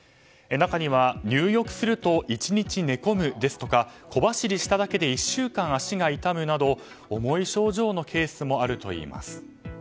中には入浴すると１日寝込む、ですとか小走りしただけで１週間足が痛むなど重い症状のケースもあるといいます。